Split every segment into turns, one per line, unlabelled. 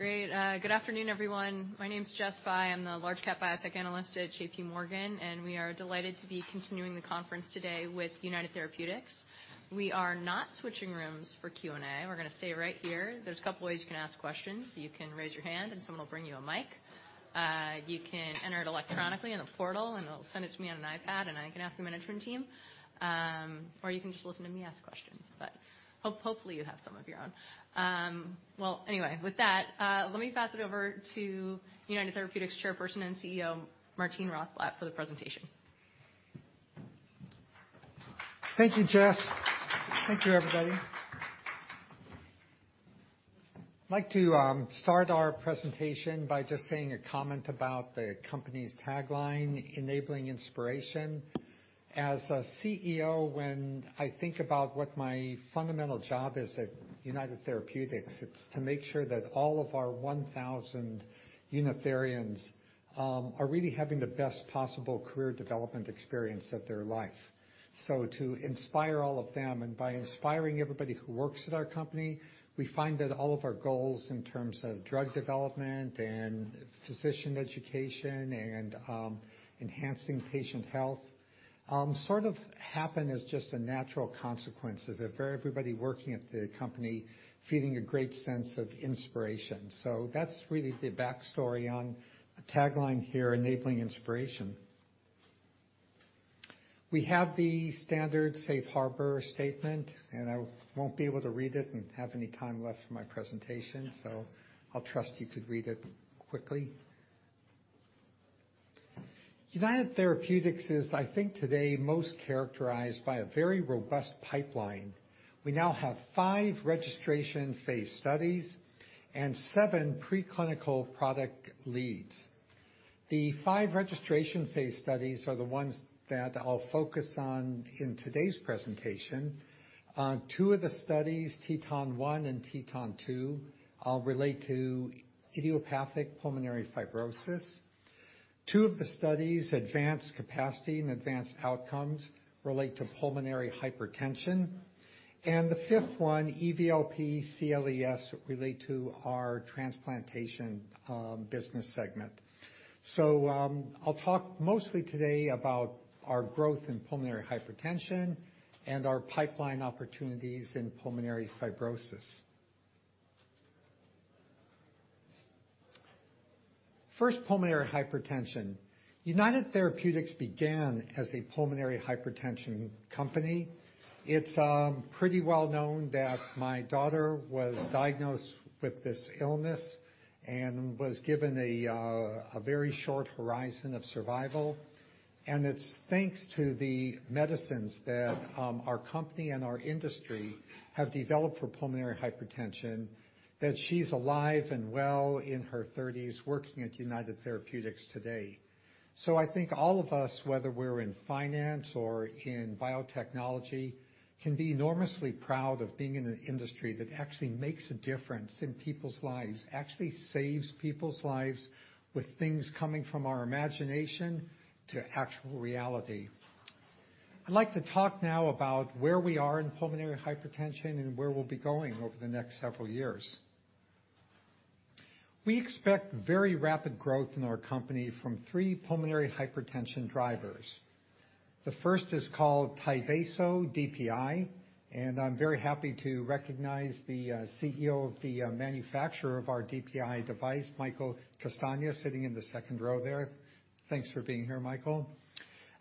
Great. Good afternoon, everyone. My name's Jessica Fye. I'm the Large Cap Biotech Analyst at JPMorgan, and we are delighted to be continuing the conference today with United Therapeutics. We are not switching rooms for Q&A. We're gonna stay right here. There's a couple ways you can ask questions. You can raise your hand, and someone will bring you a mic. You can enter it electronically in a portal, and it'll send it to me on an iPad, and I can ask my management team. You can just listen to me ask questions, but hopefully you have some of your own. Well, anyway, with that, let me pass it over to United Therapeutics Chairperson and CEO, Martine Rothblatt, for the presentation.
Thank you, Jess. Thank you, everybody. I'd like to start our presentation by just saying a comment about the company's tagline, Enabling Inspiration. As a CEO, when I think about what my fundamental job is at United Therapeutics, it's to make sure that all of our 1,000 Unitherians are really having the best possible career development experience of their life. To inspire all of them, and by inspiring everybody who works at our company, we find that all of our goals in terms of drug development and physician education and enhancing patient health sort of happen as just a natural consequence of everybody working at the company feeling a great sense of inspiration. That's really the backstory on the tagline here, Enabling Inspiration. We have the standard safe harbor statement, and I won't be able to read it and have any time left for my presentation, so I'll trust you to read it quickly. United Therapeutics is, I think, today, most characterized by a very robust pipeline. We now have five registration phase studies and seven preclinical product leads. The five registration phase studies are the ones that I'll focus on in today's presentation. Two of the studies, TETON 1 and TETON 2, relate to idiopathic pulmonary fibrosis. Two of the studies, ADVANCE CAPACITY and ADVANCE OUTCOMES, relate to pulmonary hypertension. The fifth one, EVLP/CLES, relate to our transplantation business segment. I'll talk mostly today about our growth in pulmonary hypertension and our pipeline opportunities in pulmonary fibrosis. First, pulmonary hypertension. United Therapeutics began as a pulmonary hypertension company. It's pretty well known that my daughter was diagnosed with this illness and was given a very short horizon of survival, and it's thanks to the medicines that our company and our industry have developed for pulmonary hypertension that she's alive and well in her thirties, working at United Therapeutics today. I think all of us, whether we're in finance or in biotechnology, can be enormously proud of being in an industry that actually makes a difference in people's lives, actually saves people's lives with things coming from our imagination to actual reality. I'd like to talk now about where we are in pulmonary hypertension and where we'll be going over the next several years. We expect very rapid growth in our company from three pulmonary hypertension drivers. The first is called Tyvaso DPI, and I'm very happy to recognize the CEO of the manufacturer of our DPI device, Michael Castagna, sitting in the second row there. Thanks for being here, Michael.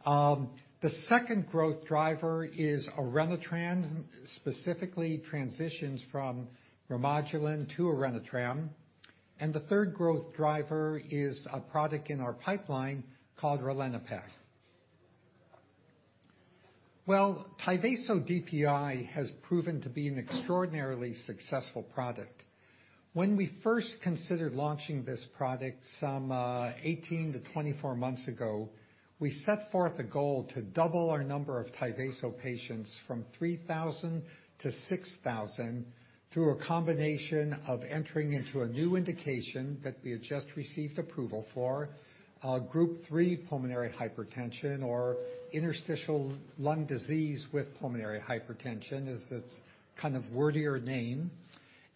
The second growth driver is Orenitram, specifically transitions from Remodulin to Orenitram. The third growth driver is a product in our pipeline called ralinepag. Well, Tyvaso DPI has proven to be an extraordinarily successful product. When we first considered launching this product some, 18-24 months ago, we set forth a goal to double our number of Tyvaso patients from 3,000 to 6,000 through a combination of entering into a new indication that we had just received approval for, Group 3 pulmonary hypertension or interstitial lung disease with pulmonary hypertension is its kind of wordier name,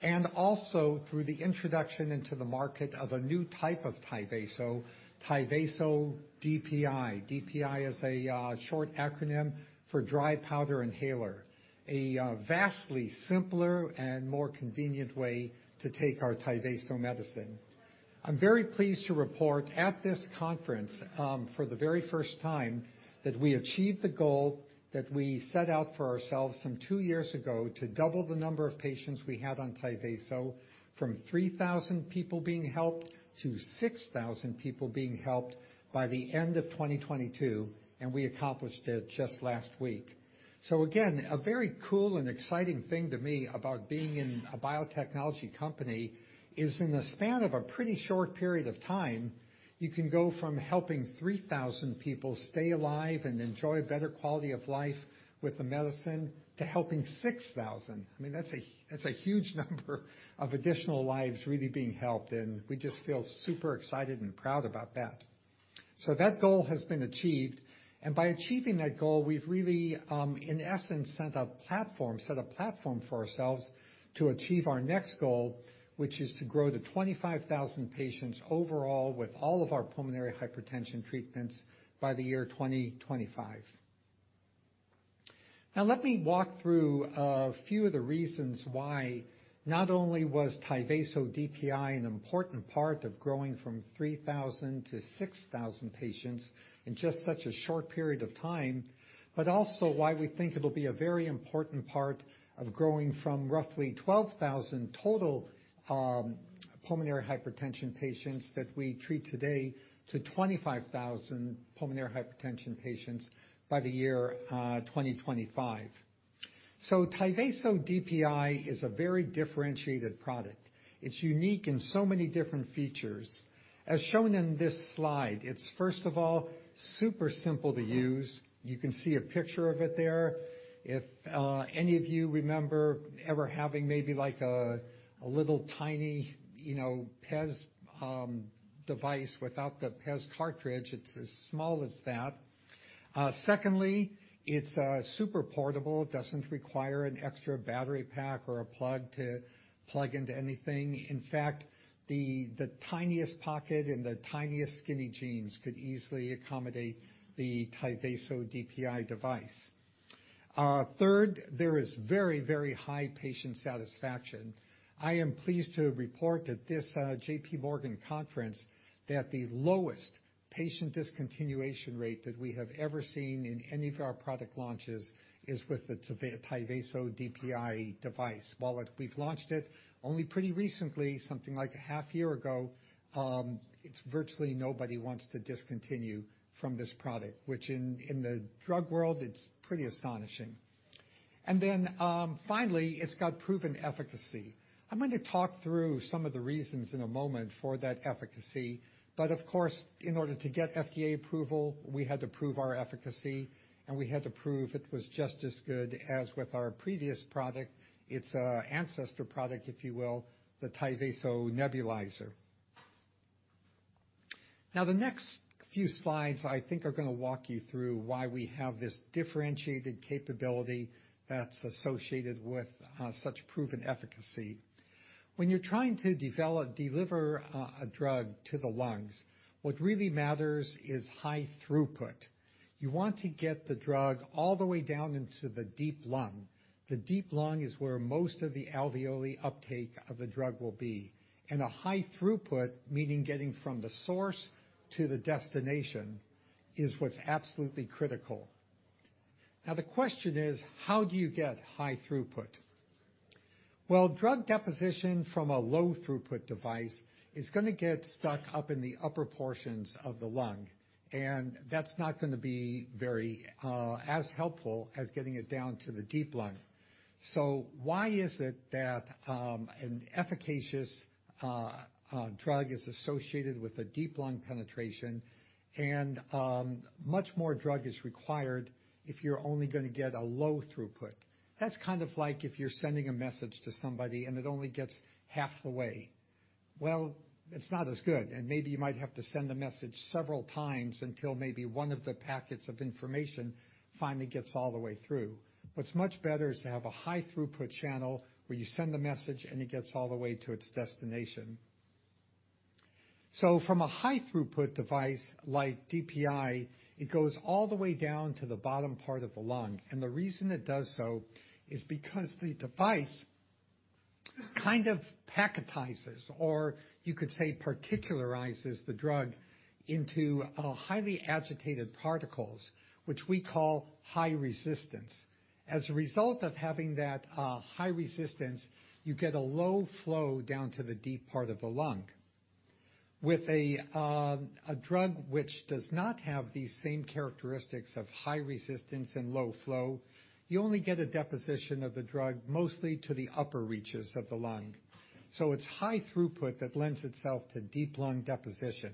and also through the introduction into the market of a new type of Tyvaso DPI. DPI is a short acronym for dry powder inhaler, a vastly simpler and more convenient way to take our Tyvaso medicine. I'm very pleased to report at this conference, for the very first time, that we achieved the goal that we set out for ourselves some two years ago to double the number of patients we had on Tyvaso from 3,000 people being helped to 6,000 people being helped by the end of 2022. We accomplished it just last week. Again, a very cool and exciting thing to me about being in a biotechnology company is in the span of a pretty short period of time, you can go from helping 3,000 people stay alive and enjoy a better quality of life with a medicine to helping 6,000. I mean, that's a huge number of additional lives really being helped, and we just feel super excited and proud about that. That goal has been achieved. By achieving that goal, we've really, in essence, set a platform for ourselves to achieve our next goal, which is to grow to 25,000 patients overall with all of our pulmonary hypertension treatments by the year 2025. Now let me walk through a few of the reasons why not only was Tyvaso DPI an important part of growing from 3,000-6,000 patients in just such a short period of time, but also why we think it'll be a very important part of growing from roughly 12,000 total pulmonary hypertension patients that we treat today to 25,000 pulmonary hypertension patients by the year 2025. Tyvaso DPI is a very differentiated product. It's unique in so many different features. As shown in this slide, it's first of all, super simple to use. You can see a picture of it there. If any of you remember ever having maybe like a little tiny, you know, Pez device without the Pez cartridge, it's as small as that. Secondly, it's super portable. It doesn't require an extra battery pack or a plug to plug into anything. In fact, the tiniest pocket and the tiniest skinny jeans could easily accommodate the Tyvaso DPI device. Third, there is very, very high patient satisfaction. I am pleased to report at this JPMorgan conference that the lowest patient discontinuation rate that we have ever seen in any of our product launches is with the Tyvaso DPI device. While we've launched it only pretty recently, something like a half year ago, it's virtually nobody wants to discontinue from this product, which in the drug world, it's pretty astonishing. Finally, it's got proven efficacy. I'm going to talk through some of the reasons in a moment for that efficacy. Of course, in order to get FDA approval, we had to prove our efficacy, and we had to prove it was just as good as with our previous product. It's ancestor product, if you will, the Tyvaso nebulizer. The next few slides, I think, are gonna walk you through why we have this differentiated capability that's associated with such proven efficacy. When you're trying to deliver a drug to the lungs, what really matters is high throughput. You want to get the drug all the way down into the deep lung. The deep lung is where most of the alveoli uptake of the drug will be. A high throughput, meaning getting from the source to the destination, is what's absolutely critical. The question is: how do you get high throughput? Drug deposition from a low throughput device is gonna get stuck up in the upper portions of the lung, and that's not gonna be very as helpful as getting it down to the deep lung. Why is it that an efficacious drug is associated with a deep lung penetration and much more drug is required if you're only gonna get a low throughput? That's kind of like if you're sending a message to somebody and it only gets half the way. It's not as good, and maybe you might have to send the message several times until maybe one of the packets of information finally gets all the way through. What's much better is to have a high throughput channel where you send the message and it gets all the way to its destination. From a high throughput device like DPI, it goes all the way down to the bottom part of the lung. The reason it does so is because the device kind of packetizes, or you could say particularizes the drug into highly agitated particles, which we call high resistance. As a result of having that high resistance, you get a low flow down to the deep part of the lung. With a drug which does not have the same characteristics of high resistance and low flow, you only get a deposition of the drug mostly to the upper reaches of the lung. It's high throughput that lends itself to deep lung deposition.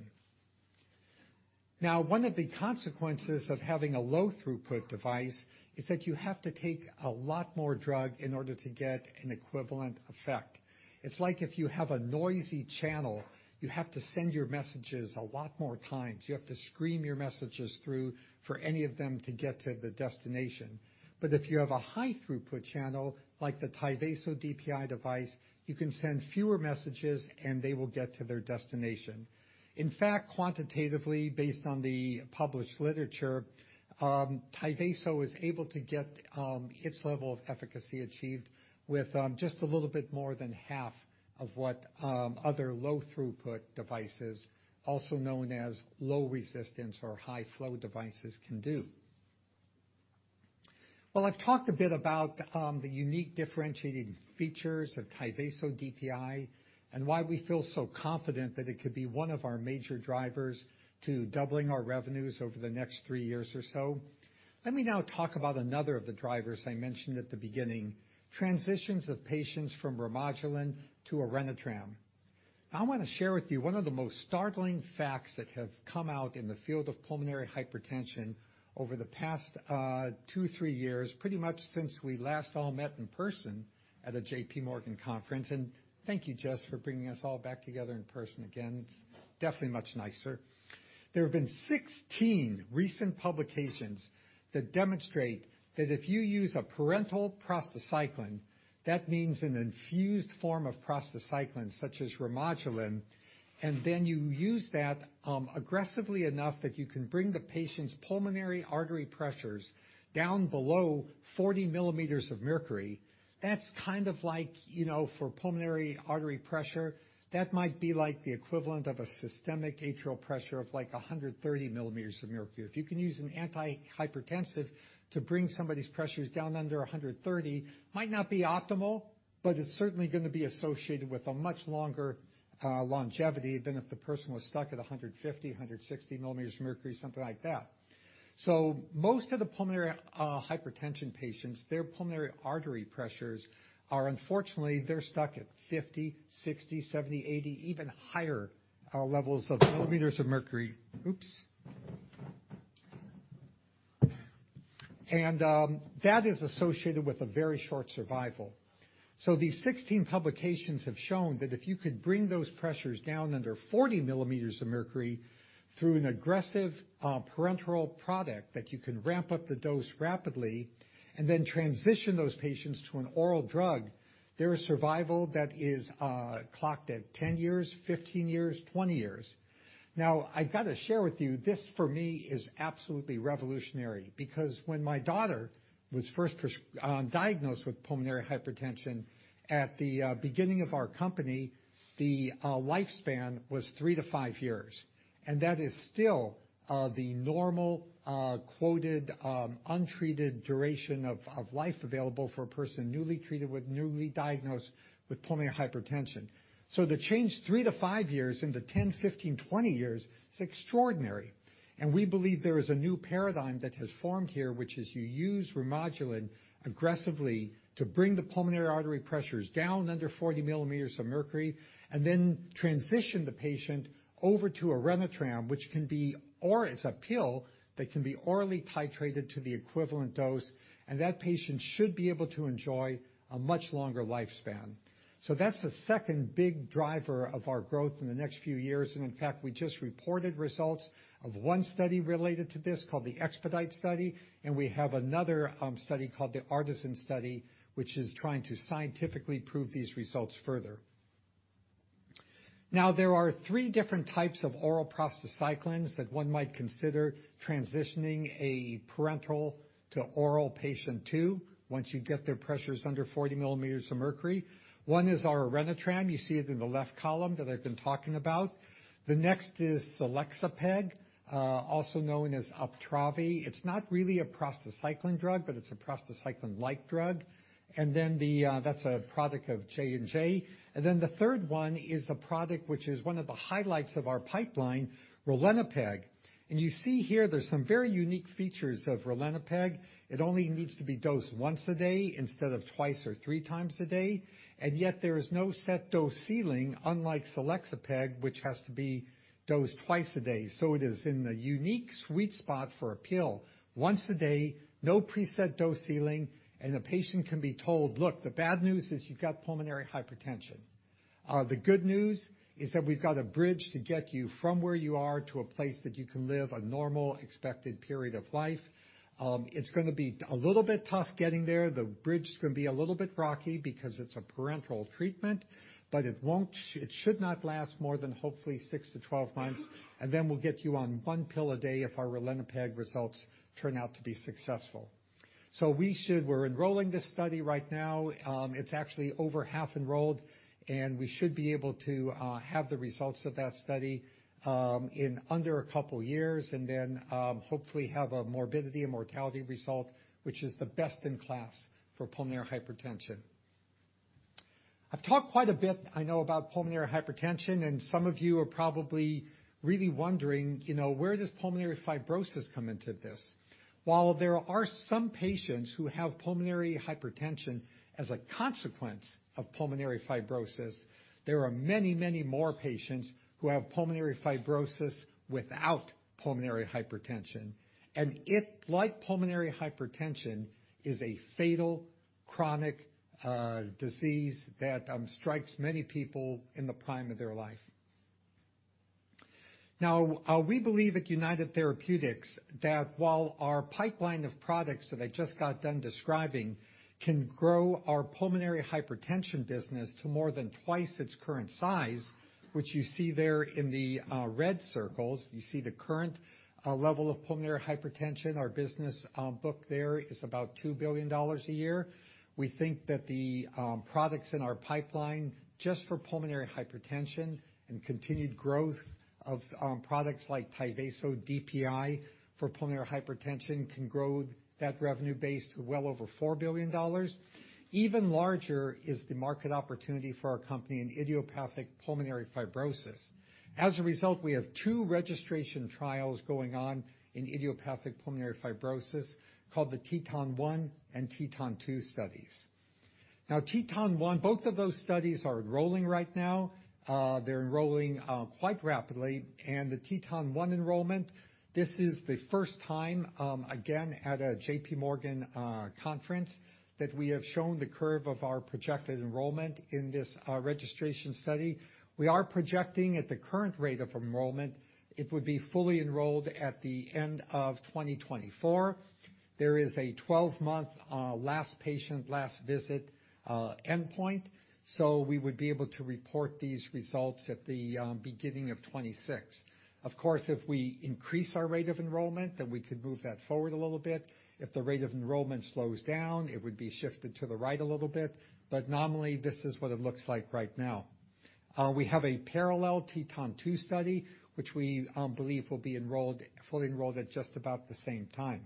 Now, one of the consequences of having a low throughput device is that you have to take a lot more drug in order to get an equivalent effect. It's like if you have a noisy channel, you have to send your messages a lot more times. You have to scream your messages through for any of them to get to the destination. If you have a high throughput channel like the Tyvaso DPI device, you can send fewer messages, and they will get to their destination. In fact, quantitatively, based on the published literature, Tyvaso is able to get its level of efficacy achieved with just a little bit more than half of what other low throughput devices, also known as low resistance or high flow devices, can do. Well, I've talked a bit about the unique differentiating features of Tyvaso DPI and why we feel so confident that it could be one of our major drivers to doubling our revenues over the next three years or so. Let me now talk about another of the drivers I mentioned at the beginning, transitions of patients from Remodulin to Orenitram. I wanna share with you one of the most startling facts that have come out in the field of pulmonary hypertension over the past two, three years, pretty much since we last all met in person at a JPMorgan conference. Thank you, Jess, for bringing us all back together in person again. It's definitely much nicer. There have been 16 recent publications that demonstrate that if you use a parenteral prostacyclin, that means an infused form of prostacyclin, such as Remodulin, and then you use that aggressively enough that you can bring the patient's pulmonary artery pressures down below 40 mm of mercury. That's kind of like, you know, for pulmonary artery pressure, that might be like the equivalent of a systemic atrial pressure of, like, 130 mm of mercury. If you can use an antihypertensive to bring somebody's pressures down under 130, might not be optimal, but it's certainly gonna be associated with a much longer longevity than if the person was stuck at 150, 160 mm of mercury, something like that. Most of the pulmonary hypertension patients, their pulmonary artery pressures are, unfortunately, they're stuck at 50, 60, 70, 80, even higher levels of millimeters of mercury. Oops. That is associated with a very short survival. These 16 publications have shown that if you could bring those pressures down under 40 mm of mercury through an aggressive parenteral product, that you can ramp up the dose rapidly and then transition those patients to an oral drug. There is survival that is clocked at 10 years, 15 years, 20 years. I've gotta share with you, this, for me, is absolutely revolutionary because when my daughter was first diagnosed with pulmonary hypertension at the beginning of our company, the lifespan was three to five years. That is still the normal quoted untreated duration of life available for a person newly treated with, newly diagnosed with pulmonary hypertension. The change 3-5 years into 10, 15, 20 years is extraordinary. We believe there is a new paradigm that has formed here, which is you use Remodulin aggressively to bring the pulmonary artery pressures down under 40 mm of mercury and then transition the patient over to a Orenitram, it's a pill that can be orally titrated to the equivalent dose, and that patient should be able to enjoy a much longer lifespan. That's the second big driver of our growth in the next few years. In fact, we just reported results of one study related to this called the EXPEDITE study, and we have another study called the ARTISAN study, which is trying to scientifically prove these results further. Now, there are three different types of oral prostacyclins that one might consider transitioning a parenteral to oral patient to, once you get their pressures under 40 mm of mercury. One is our Orenitram. You see it in the left column that I've been talking about. The next is Selexipag, also known as Uptravi. It's not really a prostacyclin drug, but it's a prostacyclin-like drug. That's a product of Johnson & Johnson. The third one is a product which is one of the highlights of our pipeline, Ralinepag. You see here there's some very unique features of Ralinepag. It only needs to be dosed once a day instead of twice or three times a day. Yet there is no set dose ceiling, unlike Selexipag, which has to be dosed twice a day. It is in a unique sweet spot for a pill. Once a day, no preset dose ceiling, and the patient can be told, "Look, the bad news is you've got pulmonary hypertension. The good news is that we've got a bridge to get you from where you are to a place that you can live a normal expected period of life. It's gonna be a little bit tough getting there. The bridge is gonna be a little bit rocky because it's a parenteral treatment, but it should not last more than hopefully six to 12 months, and then we'll get you on one pill a day if our Ralinepag results turn out to be successful. We're enrolling this study right now. It's actually over half enrolled, and we should be able to have the results of that study in under a couple years and then hopefully have a morbidity and mortality result, which is the best in class for pulmonary hypertension. I've talked quite a bit, I know, about pulmonary hypertension, and some of you are probably really wondering, you know, where does pulmonary fibrosis come into this? While there are some patients who have pulmonary hypertension as a consequence of pulmonary fibrosis, there are many, many more patients who have pulmonary fibrosis without pulmonary hypertension. It, like pulmonary hypertension, is a fatal chronic disease that strikes many people in the prime of their life. Now, we believe at United Therapeutics that while our pipeline of products that I just got done describing can grow our pulmonary hypertension business to more than twice its current size, which you see there in the red circles. You see the current level of pulmonary hypertension. Our business book there is about $2 billion a year. We think that the products in our pipeline, just for pulmonary hypertension and continued growth of products like Tyvaso DPI for pulmonary hypertension, can grow that revenue base to well over $4 billion. Even larger is the market opportunity for our company in idiopathic pulmonary fibrosis. We have two registration trials going on in idiopathic pulmonary fibrosis called the TETON 1 and TETON 2 studies. TETON 1, both of those studies are enrolling right now. They're enrolling quite rapidly. The TETON 1 enrollment, this is the first time, again, at a JPMorgan conference that we have shown the curve of our projected enrollment in this registration study. We are projecting at the current rate of enrollment, it would be fully enrolled at the end of 2024. There is a 12 month last patient, last visit endpoint, we would be able to report these results at the beginning of 2026. Of course, if we increase our rate of enrollment, we could move that forward a little bit. If the rate of enrollment slows down, it would be shifted to the right a little bit. Nominally, this is what it looks like right now. We have a parallel TETON 2 study, which we believe will be fully enrolled at just about the same time.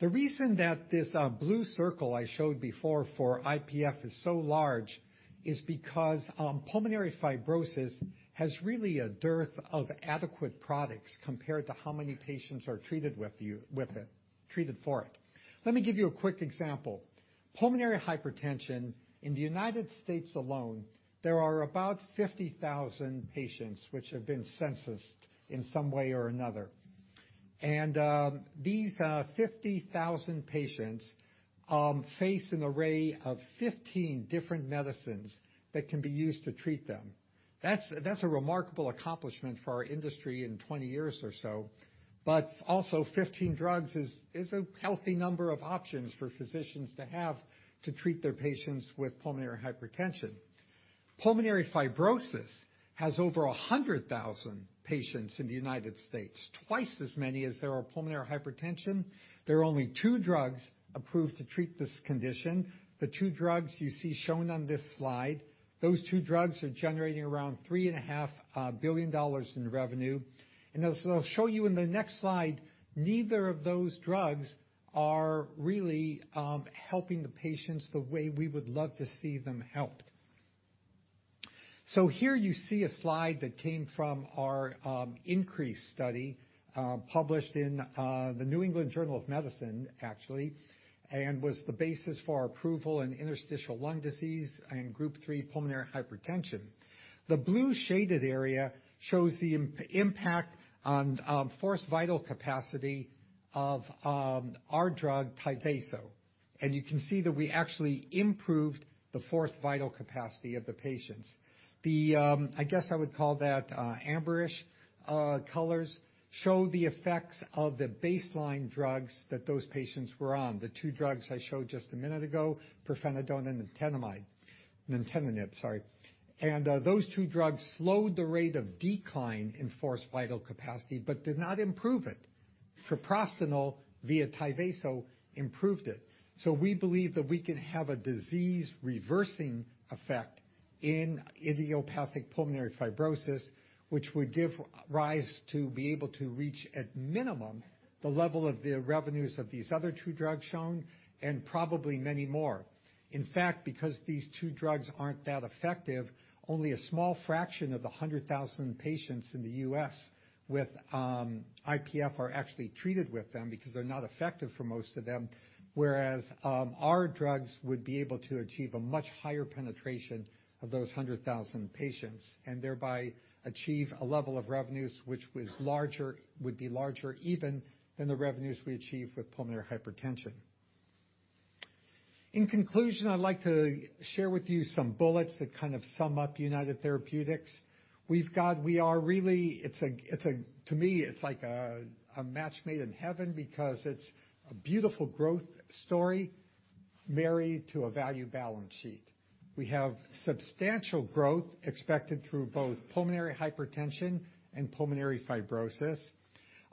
The reason that this blue circle I showed before for IPF is so large is because pulmonary fibrosis has really a dearth of adequate products compared to how many patients are treated with it, treated for it. Let me give you a quick example. Pulmonary hypertension in the United States alone, there are about 50,000 patients which have been censused in some way or another. These 50,000 patients face an array of 15 different medicines that can be used to treat them. That's a remarkable accomplishment for our industry in 20 years or so. Also 15 drugs is a healthy number of options for physicians to have to treat their patients with pulmonary hypertension. Pulmonary fibrosis has over 100,000 patients in the United States, twice as many as there are pulmonary hypertension. There are only two drugs approved to treat this condition. The two drugs you see shown on this slide, those two drugs are generating around $3.5 billion in revenue. As I'll show you in the next slide, neither of those drugs are really helping the patients the way we would love to see them helped. Here you see a slide that came from our INCREASE study, published in The New England Journal of Medicine, actually, and was the basis for our approval in interstitial lung disease and Group 3 pulmonary hypertension. The blue shaded area shows the impact on forced vital capacity of our drug, Tyvaso. You can see that we actually improved the forced vital capacity of the patients. The I guess I would call that amber-ish colors show the effects of the baseline drugs that those patients were on. The two drugs I showed just a minute ago, pirfenidone and nintedanib, sorry. Those two drugs slowed the rate of decline in forced vital capacity but did not improve it. Treprostinil via Tyvaso improved it. We believe that we can have a disease-reversing effect in idiopathic pulmonary fibrosis, which would give rise to be able to reach, at minimum, the level of the revenues of these other two drugs shown, and probably many more. In fact, because these two drugs aren't that effective, only a small fraction of the 100,000 patients in the U.S. with IPF are actually treated with them because they're not effective for most of them. Our drugs would be able to achieve a much higher penetration of those 100,000 patients and thereby achieve a level of revenues which was larger, would be larger even than the revenues we achieve with pulmonary hypertension. In conclusion, I'd like to share with you some bullets that kind of sum up United Therapeutics. We are really... It's a To me, it's like a match made in heaven because it's a beautiful growth story married to a value balance sheet. We have substantial growth expected through both pulmonary hypertension and pulmonary fibrosis.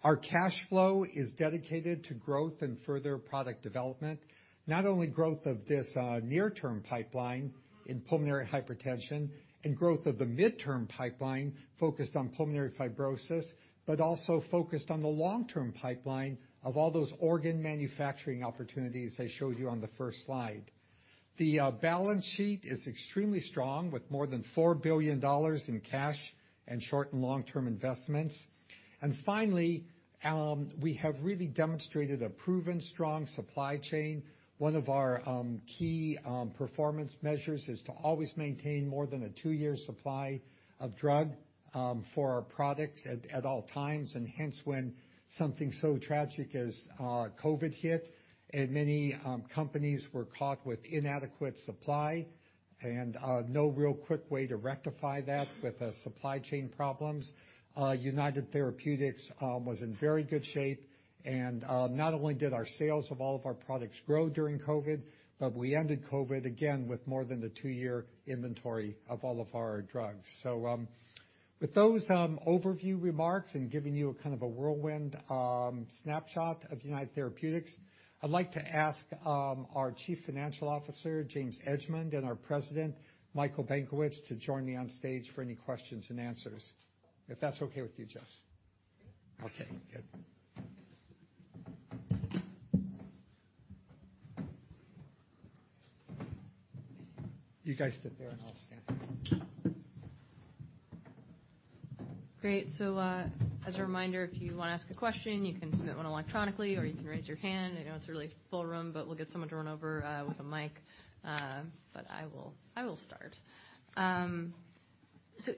Our cash flow is dedicated to growth and further product development, not only growth of this near-term pipeline in pulmonary hypertension and growth of the mid-term pipeline focused on pulmonary fibrosis, but also focused on the long-term pipeline of all those organ manufacturing opportunities I showed you on the first slide. The balance sheet is extremely strong with more than $4 billion in cash and short and long-term investments. Finally, we have really demonstrated a proven strong supply chain. One of our key performance measures is to always maintain more than a two year supply of drug for our products at all times. When something so tragic as COVID hit and many companies were caught with inadequate supply and no real quick way to rectify that with the supply chain problems, United Therapeutics was in very good shape. Not only did our sales of all of our products grow during COVID, but we ended COVID again with more than the two-year inventory of all of our drugs. With those overview remarks and giving you a kind of a whirlwind snapshot of United Therapeutics, I'd like to ask our Chief Financial Officer, James Edgemont, and our President, Michael Benkowitz, to join me on stage for any Q&A, if that's okay with you, Jess. Okay, good. You guys sit there and I'll stand.
Great. As a reminder, if you wanna ask a question, you can submit one electronically, or you can raise your hand. I know it's a really full room, but we'll get someone to run over with a mic. I will start.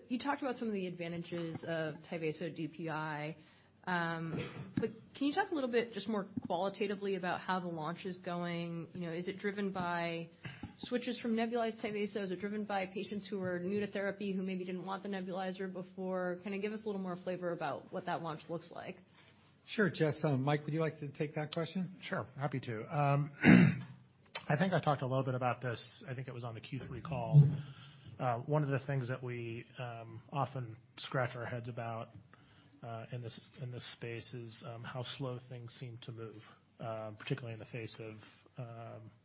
You talked about some of the advantages of Tyvaso DPI. Can you talk a little bit just more qualitatively about how the launch is going? You know, is it driven by switches from nebulized Tyvaso? Is it driven by patients who are new to therapy who maybe didn't want the nebulizer before? Kinda give us a little more flavor about what that launch looks like.
Sure, Jess, Mike, would you like to take that question?
Sure, happy to. I think I talked a little bit about this, I think it was on the Q3 call. One of the things that we often scratch our heads about in this, in this space is how slow things seem to move, particularly in the face of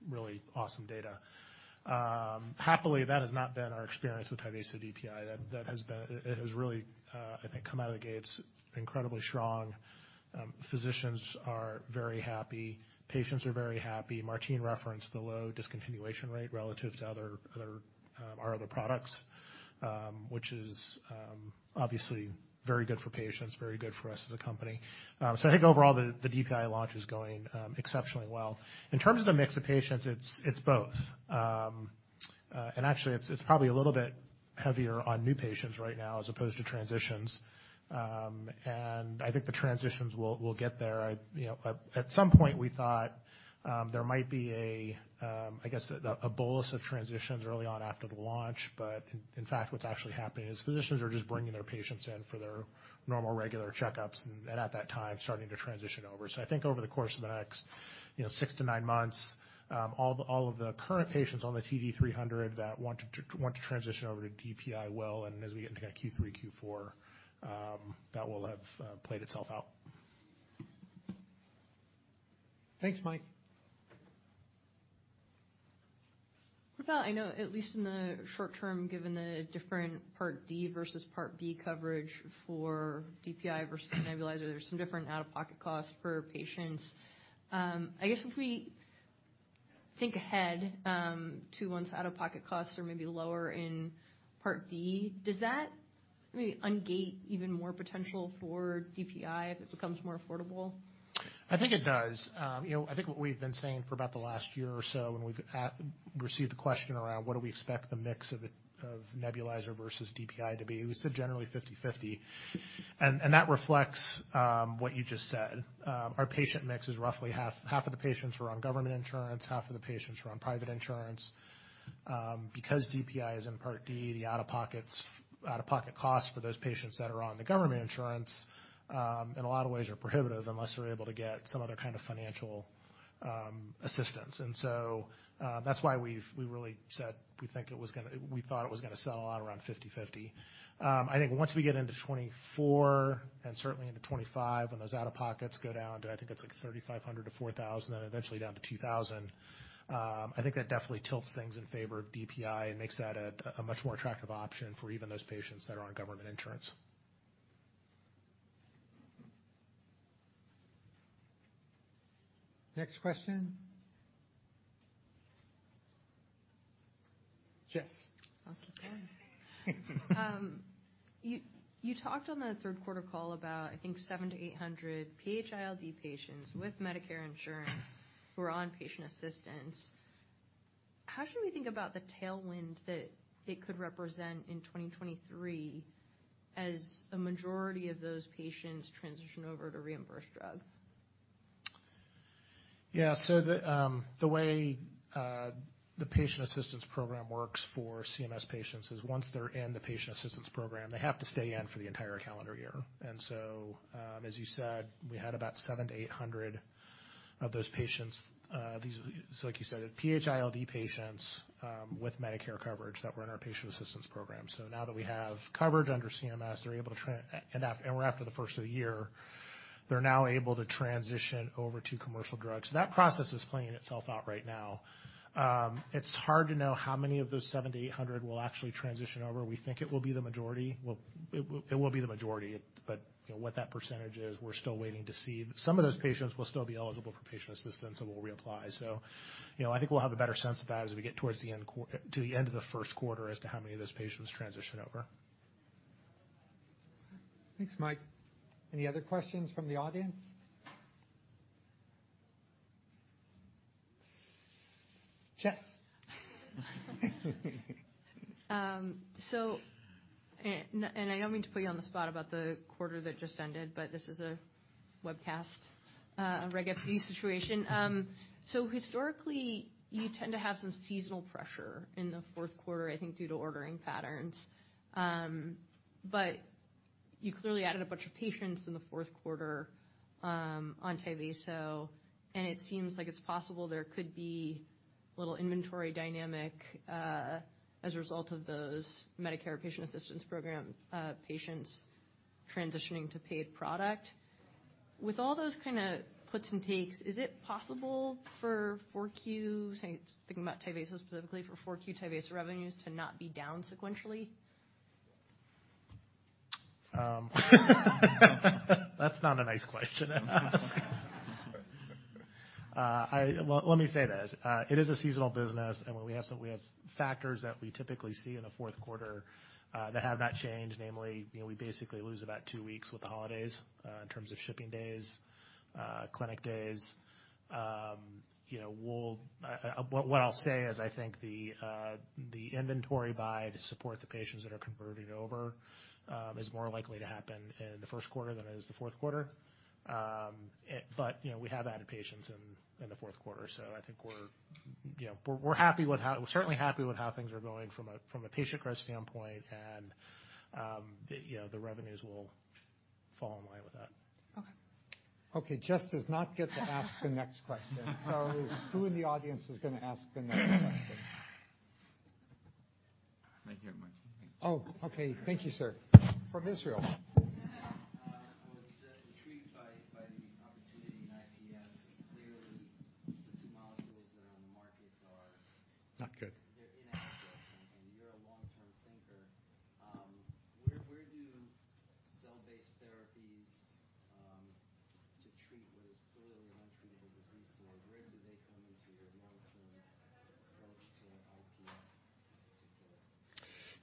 really awesome data. Happily, that has not been our experience with Tyvaso DPI. It has really, I think, come out of the gates incredibly strong. Physicians are very happy. Patients are very happy. Martine referenced the low discontinuation rate relative to other, our other products, which is obviously very good for patients, very good for us as a company. I think overall the DPI launch is going exceptionally well. In terms of the mix of patients, it's both. Actually it's probably a little bit heavier on new patients right now as opposed to transitions. I think the transitions will get there. You know, at some point we thought there might be a, I guess a bolus of transitions early on after the launch. In fact, what's actually happening is physicians are just bringing their patients in for their normal, regular checkups and at that time starting to transition over. I think over the course of the next, you know, six to nine months, all of the current patients on the TD-300 that want to transition over to DPI will. As we get into Q3, Q4, that will have played itself out.
Thanks, Mike.
What about... I know at least in the short term, given the different Part D versus Part B coverage for DPI versus nebulizer, there's some different out-of-pocket costs for patients. I guess if we think ahead, to once out-of-pocket costs are maybe lower in Part D, does that maybe ungate even more potential for DPI if it becomes more affordable?
I think it does. you know, I think what we've been saying for about the last year or so, and we've received the question around what do we expect the mix of the, of nebulizer versus DPI to be, we said generally 50/50. That reflects what you just said. Our patient mix is roughly half. Half of the patients are on government insurance, half of the patients are on private insurance. Because DPI is in Part D, the out-of-pocket costs for those patients that are on the government insurance, in a lot of ways are prohibitive unless they're able to get some other kind of financial assistance. That's why we really said we think it was gonna settle out around 50/50. I think once we get into 2024, and certainly into 2025, when those out-of-pockets go down to, I think it's like $3,500-$4,000 and eventually down to $2,000, I think that definitely tilts things in favor of DPI and makes that a much more attractive option for even those patients that are on government insurance.
Next question. Jess.
I'll keep going. you talked on the Q3 call about, I think, 700-800 PHILD patients with Medicare insurance who are on patient assistance. How should we think about the tailwind that it could represent in 2023 as a majority of those patients transition over to reimbursed drug?
Yeah. The way the patient assistance program works for CMS patients is once they're in the patient assistance program, they have to stay in for the entire calendar year. As you said, we had about 700-800 of those patients. These, like you said, are PHILD patients, with Medicare coverage that were in our patient assistance program. Now that we have coverage under CMS, after the 1st of the year, they're now able to transition over to commercial drugs. That process is playing itself out right now. It's hard to know how many of those 700-800 will actually transition over. We think it will be the majority. It will be the majority, but, you know, what that percentage is, we're still waiting to see. Some of those patients will still be eligible for patient assistance and will reapply. You know, I think we'll have a better sense of that as we get towards the end to the end of the Q1 as to how many of those patients transition over.
Thanks, Mike. Any other questions from the audience? Jess.
I don't mean to put you on the spot about the quarter that just ended, but this is a webcast, Regulation FD situation. Historically, you tend to have some seasonal pressure in the Q4, I think due to ordering patterns. You clearly added a bunch of patients in the Q4, on Tyvaso, and it seems like it's possible there could be a little inventory dynamic, as a result of those Medicare patient assistance program, patients transitioning to paid product. With all those kinda puts and takes, is it possible for 4Q, say, thinking about Tyvaso specifically, for 4Q Tyvaso revenues to not be down sequentially?
That's not a nice question to ask. Well, let me say this, it is a seasonal business. When we have factors that we typically see in the Q4 that have not changed, namely, you know, we basically lose about two weeks with the holidays in terms of shipping days, clinic days. You know, what I'll say is, I think the inventory buy to support the patients that are converting over is more likely to happen in the Q1 than it is the Q4. You know, we have added patients in the Q4. I think we're, you know, happy with how... We're certainly happy with how things are going from a, from a patient growth standpoint, and, you know, the revenues will fall in line with that.
Okay.
Okay. Jess does not get to ask the next question. Who in the audience is gonna ask the next question?
Right here, Martine.
Oh, okay. Thank you, sir. From Israel.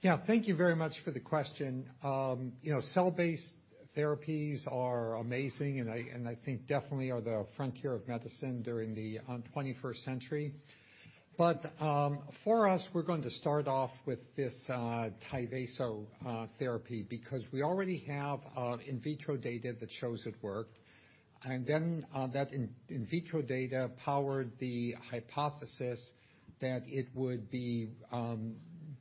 Yeah. I was intrigued by the opportunity in IPF. Clearly, the two molecules that are on the market.
Not good.
They're inadequate, and you're a long-term thinker. where do cell-based therapies, to treat what is clearly an untreatable disease today, where do they come into your long-term approach to IPF specifically?
Yeah. Thank you very much for the question. You know, cell-based therapies are amazing, and I think definitely are the frontier of medicine during the 21st century. For us, we're going to start off with this Tyvaso therapy, because we already have in vitro data that shows it worked. That in vitro data powered the hypothesis that it would be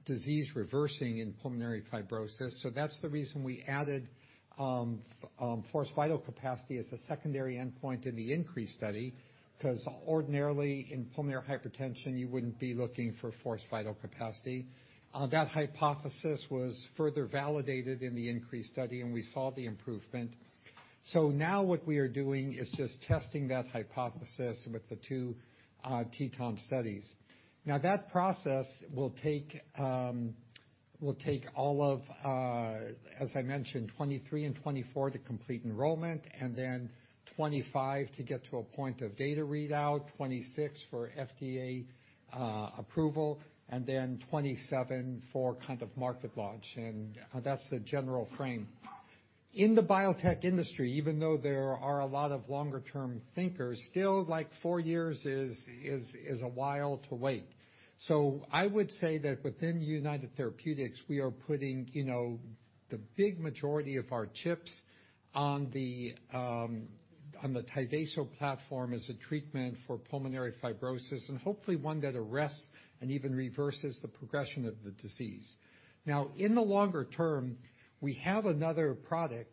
disease reversing in pulmonary fibrosis. That's the reason we added forced vital capacity as a secondary endpoint in the INCREASE study, 'cause ordinarily in pulmonary hypertension, you wouldn't be looking for forced vital capacity. That hypothesis was further validated in the INCREASE study, we saw the improvement. Now what we are doing is just testing that hypothesis with the 2 TETON studies. That process will take all of, as I mentioned, 2023 and 2024 to complete enrollment, and then 2025 to get to a point of data readout, and then 2026 for FDA approval, and then 2027 for kind of market launch. That's the general frame. In the biotech industry, even though there are a lot of longer term thinkers, still, like, 4 years is a while to wait. I would say that within United Therapeutics, we are putting, you know, the big majority of our chips on the Tyvaso platform as a treatment for pulmonary fibrosis, and hopefully one that arrests and even reverses the progression of the disease. In the longer term, we have another product,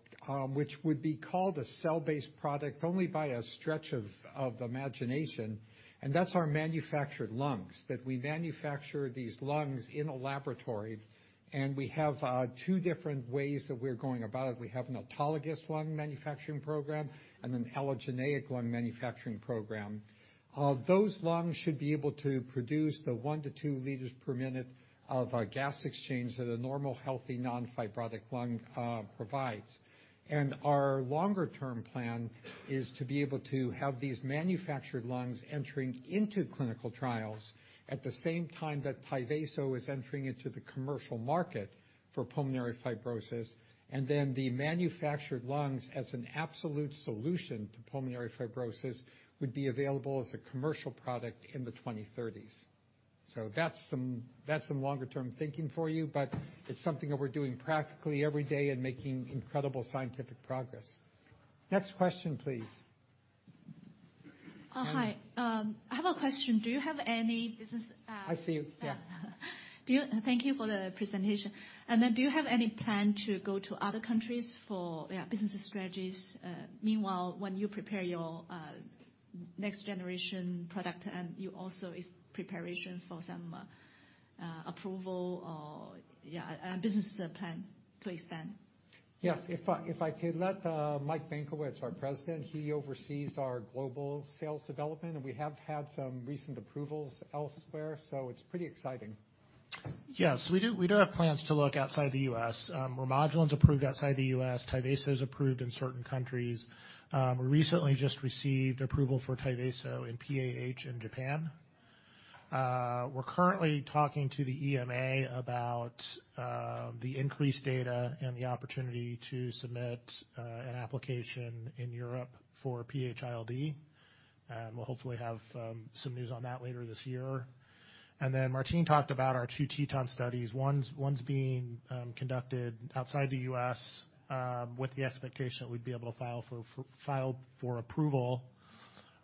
which would be called a cell-based product only by a stretch of imagination, and that's our manufactured lungs, that we manufacture these lungs in a laboratory, and we have two different ways that we're going about it. We have an autologous lung manufacturing program and an allogeneic lung manufacturing program. Those lungs should be able to produce the 1 to 2 L per minute of gas exchange that a normal, healthy, non-fibrotic lung provides. Our longer term plan is to be able to have these manufactured lungs entering into clinical trials at the same time that Tyvaso is entering into the commercial market for pulmonary fibrosis, and then the manufactured lungs as an absolute solution to pulmonary fibrosis would be available as a commercial product in the 2030s. That's some longer term thinking for you, but it's something that we're doing practically every day and making incredible scientific progress. Next question, please.
Oh, hi. I have a question. Do you have any business,
I see you. Yeah.
Thank you for the presentation. Do you have any plan to go to other countries for, yeah, businesses strategies, meanwhile when you prepare your next generation product and you also is preparation for some approval or, yeah, a business plan to expand?
Yes. If I could let Michael Benkowitz, our President, he oversees our global sales development, and we have had some recent approvals elsewhere, so it's pretty exciting.
Yes. We do have plans to look outside the U.S. Remodulin's approved outside the U.S. Tyvaso's approved in certain countries. We recently just received approval for Tyvaso in PAH in Japan. We're currently talking to the EMA about the INCREASE data and the opportunity to submit an application in Europe for PHILD, and we'll hopefully have some news on that later this year. Martine talked about our two TETON studies. One's being conducted outside the U.S. with the expectation that we'd be able to file for approval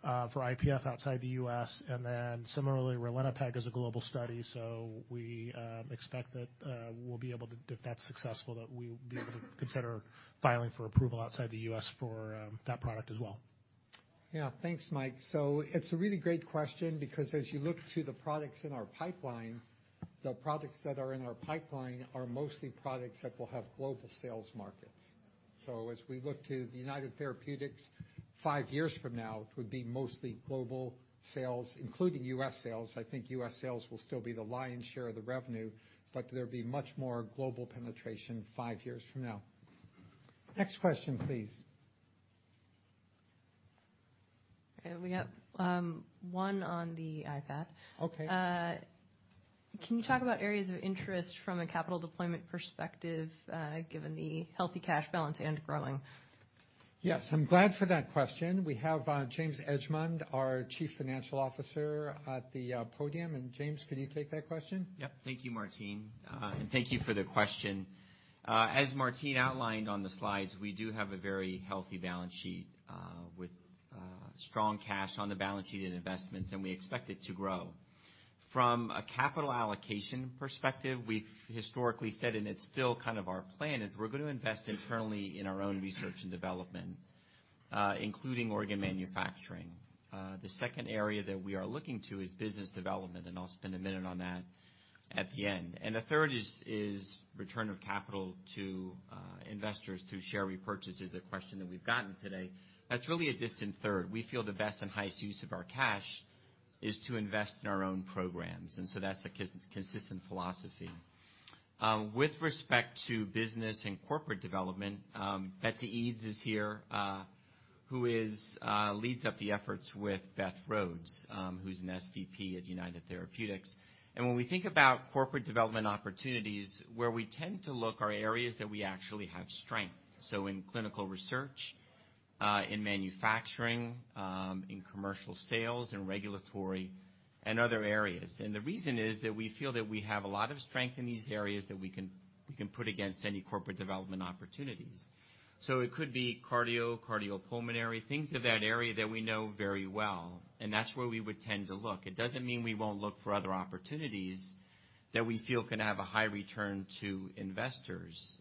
for IPF outside the U.S. Similarly, Ralinepag is a global study, so we expect that, if that's successful, that we will be able to consider filing for approval outside the U.S. for that product as well.
Yeah. Thanks, Mike. It's a really great question because as you look to the products in our pipeline, the products that are in our pipeline are mostly products that will have global sales markets. As we look to the United Therapeutics five years from now, it would be mostly global sales, including U.S. sales. I think U.S. sales will still be the lion's share of the revenue, but there'll be much more global penetration five years from now. Next question, please.
We have, one on the iPad.
Okay.
Can you talk about areas of interest from a capital deployment perspective, given the healthy cash balance and growing?
Yes. I'm glad for that question. We have James Edgemont, our Chief Financial Officer at the podium. James, can you take that question?
Yep. Thank you, Martine. Thank you for the question. As Martine outlined on the slides, we do have a very healthy balance sheet, with strong cash on the balance sheet and investments, and we expect it to grow. From a capital allocation perspective, we've historically said, and it's still kind of our plan, is we're gonna invest internally in our own research and development, including organ manufacturing. The second area that we are looking to is business development, and I'll spend a minute on that at the end. The third is return of capital to investors through share repurchases, a question that we've gotten today. That's really a distant third. We feel the best and highest use of our cash is to invest in our own programs, and so that's a consistent philosophy. With respect to business and corporate development, Betsy Eades is here, who is leads up the efforts with Beth Rhodes, who's an SVP at United Therapeutics. When we think about corporate development opportunities, where we tend to look are areas that we actually have strength. In clinical research, in manufacturing, in commercial sales, in regulatory and other areas. The reason is that we feel that we have a lot of strength in these areas that we can put against any corporate development opportunities. It could be cardio, cardiopulmonary, things of that area that we know very well, and that's where we would tend to look. It doesn't mean we won't look for other opportunities that we feel can have a high return to investors.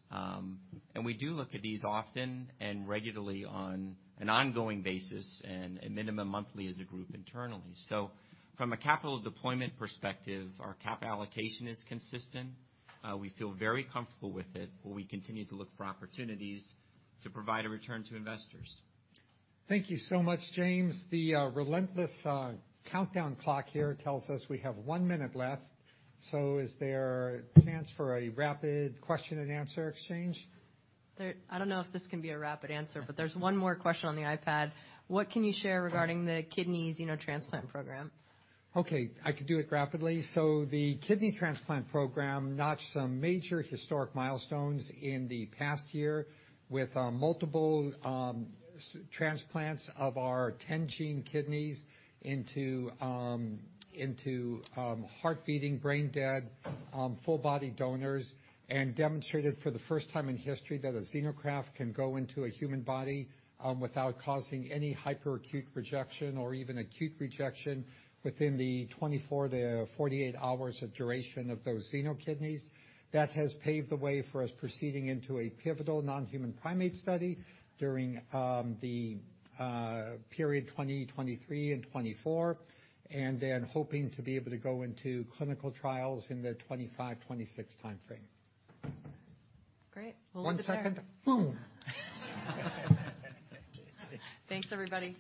We do look at these often and regularly on an ongoing basis and a minimum monthly as a group internally. From a capital deployment perspective, our capital allocation is consistent. We feel very comfortable with it, but we continue to look for opportunities to provide a return to investors.
Thank you so much, James. The relentless countdown clock here tells us we have 1 minute left. Is there a chance for a rapid question and answer exchange?
I don't know if this can be a rapid answer, but there's one more question on the iPad. What can you share regarding the kidney xenotransplant program?
Okay, I could do it rapidly. The kidney transplant program notched some major historic milestones in the past year with multiple transplants of our ten-gene kidneys into heart beating, brain dead, full body donors, and demonstrated for the first time in history that a xenograft can go into a human body without causing any hyperacute rejection or even acute rejection within the 24-48 hours of duration of those xeno kidneys. That has paved the way for us proceeding into a pivotal non-human primate study during the period 2023 and 2024, hoping to be able to go into clinical trials in the 2025, 2026 timeframe.
Great. We'll leave it there.
One second. Boom.
Thanks, everybody.